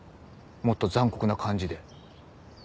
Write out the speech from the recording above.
もっと残酷な感じで。